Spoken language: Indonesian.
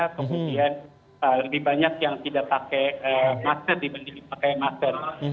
kemudian lebih banyak yang tidak pakai masker dibanding pakai masker